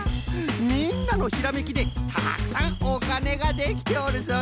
みんなのひらめきでたくさんおかねができておるぞい。